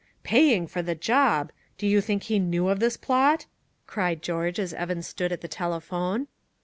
"Paying for the job! Do you think he knew of this plot?" cried George as Evans stood at the telephone.